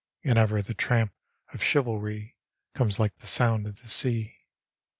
And ever the tramp of chivalry Comes like the sound of the sea.